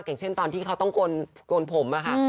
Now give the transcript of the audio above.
อย่างเช่นตอนที่เขาต้องโกนผมอะค่ะ